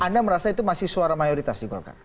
anda merasa itu masih suara mayoritas di golkar